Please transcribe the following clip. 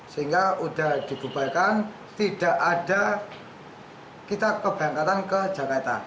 sehingga sudah dibubarkan tidak ada kita keberangkatan ke jakarta